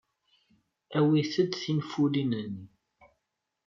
Awit-d tinfulin-nni.